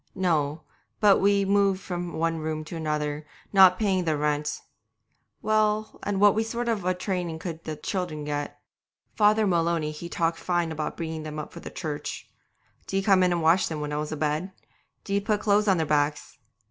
No, but we moved from one room to another, not paying the rent. Well, and what sort of a training could the children get? Father Maloney he talked fine about bringing them up for the Church. Did he come in and wash them when I was a bed? Did he put clothes on their backs?